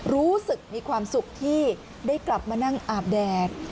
รู้สึกมีความสุขที่ได้กลับมานั่งอาบแดด